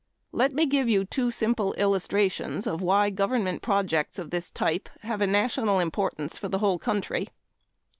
Let me give you two simple illustrations of why government projects of this type have a national importance for the whole country.